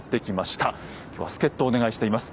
今日は助っ人をお願いしています。